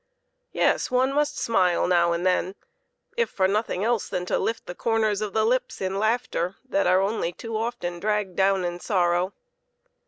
Yes ; one must smile now and then, if for nothing else than to lift the corners of the lips in laughter that are only too often dragged down in sorrow.